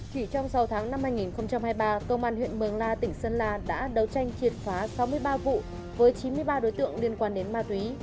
chỉ trong sáu tháng năm hai nghìn hai mươi ba công an huyện mường la tỉnh sơn la đã đấu tranh triệt phá sáu mươi ba vụ với chín mươi ba đối tượng liên quan đến ma túy